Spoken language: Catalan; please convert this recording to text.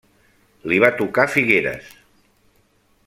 Li va tocar Figueres.